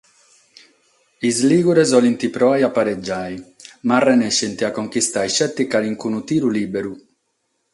Is lìgures bolent proare a paregiare, ma renessent a conchistare isceti calicunu tiru lìberu.